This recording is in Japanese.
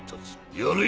やれ！